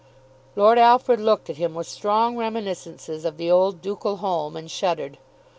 Lord Alfred looked at him, with strong reminiscences of the old ducal home, and shuddered.